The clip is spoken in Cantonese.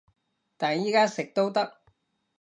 但而家食都得